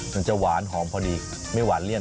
มันจะหวานหอมพอดีไม่หวานเลี่ยน